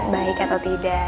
baik atau tidak